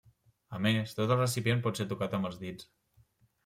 A més, tot el recipient pot ser tocat amb els dits.